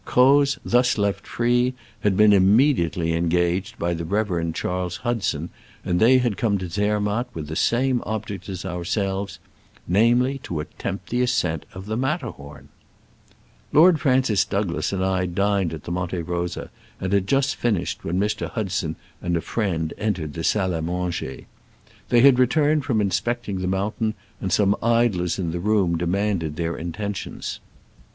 Croz, thus left free, had been im mediately engaged by the Rev. Charles Hudson, and they had come to Zermatt with the same object as ourselves — namely, to attempt the ascent of the Matterhorn I Lord Francis Douglas and I dined at the Monte Rosa, and had just finished when Mr. Hudson and a friend entered the salle d manger. They had returned from inspecting the mountain, and some idlers in the room demanded their in tentions.